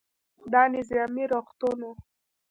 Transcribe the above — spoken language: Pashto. دا نظامي روغتون و.